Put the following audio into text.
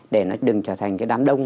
để nó đừng trở thành cái đám đông